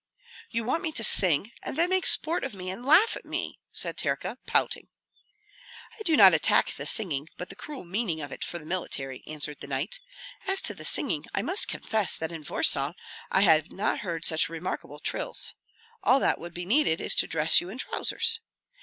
"You want me to sing, and then make sport of me and laugh at me," said Terka, pouting. "I do not attack the singing, but the cruel meaning of it for the military," answered the knight. "As to the singing I must confess that in Warsaw I have not heard such remarkable trills. All that would be needed is to dress you in trousers.